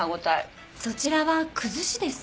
そちらはくずしです。